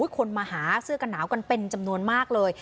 คนมาหาเสื้อกันหนาวกันเป็นจำนวนมากเลย